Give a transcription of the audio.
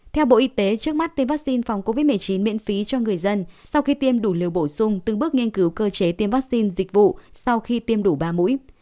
theo bộ y tế trước mắt tiêm vaccine phòng covid một mươi chín miễn phí cho người dân sau khi tiêm đủ liều bổ sung từng bước nghiên cứu cơ chế tiêm vaccine dịch vụ sau khi tiêm đủ ba mũi